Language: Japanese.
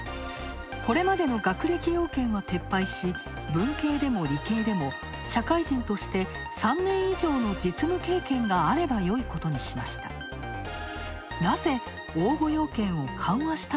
これまでの学歴要件は撤廃し、文系でも理系でも社会人として３年以上の実務経験があればよいことにしました。